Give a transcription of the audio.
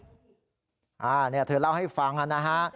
นั่นแหละนี่เธอเล่าให้ฟังค่ะนะฮะ